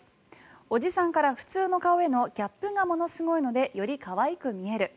おじさんから普通の顔へのギャップがものすごいのでより可愛く見える。